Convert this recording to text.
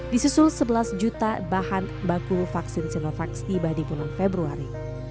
disusul sebelas juta bahan baku vaksin sinovac tiba di bulan februari